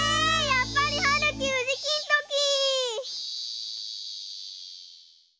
やっぱりはるきうじきんとき！